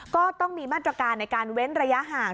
ก็ต้องมีมาตรการในการเว้นระยะห่าง